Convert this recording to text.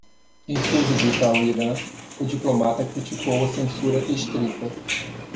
Em sua visita ao Irã, o diplomata criticou a censura estrita.